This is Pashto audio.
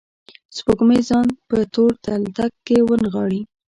سپوږمۍ ځان په تور تلتک کې ونغاړلي